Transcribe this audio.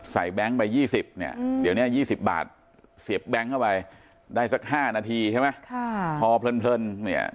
ใส่แบงค์ไปยี่สิบเนี้ยเดี๋ยวเนี้ยยี่สิบบาทเสียบแบงค์เข้าไปได้สักห้านาทีใช่ไหมค่ะพอเพลินเพลินเนี้ย